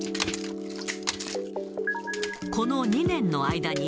この２年の間に、